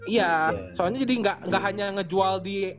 iya soalnya jadi nggak hanya ngejual di